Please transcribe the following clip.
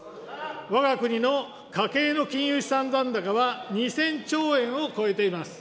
わが国の家計の金融資産残高は２０００兆円を超えています。